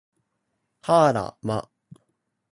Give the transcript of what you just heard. はあら、ま